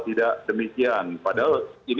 tidak demikian padahal ini